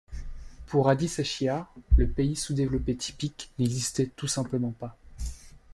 Pour Adiseshiah, le pays sous-développé typique n’existait tout simplement pas.